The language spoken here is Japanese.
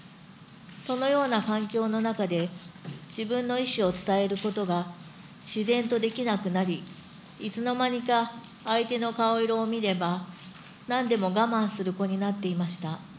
そのような環境の中で、自分の意思を伝えることが自然とできなくなり、いつの間にか相手の顔色を見れば、なんでも我慢する子になっていました。